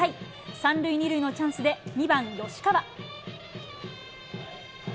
３塁２塁のチャンスで２番吉川。